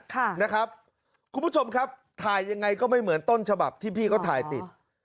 คุณผู้ชมครับถ่ายยังไงก็ไม่เหมือนต้นฉบับที่พี่เขาถ่ายติด